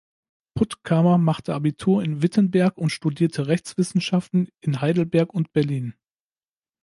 Puttkamer machte Abitur in Wittenberg und studierte Rechtswissenschaften in Heidelberg und Berlin.